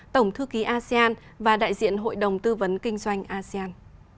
tổng thư ký asean và đại diện hội đồng tư vấn kinh doanh asean